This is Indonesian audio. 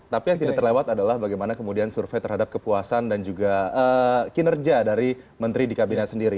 tapi yang tidak terlewat adalah bagaimana kemudian survei terhadap kepuasan dan juga kinerja dari menteri di kabinet sendiri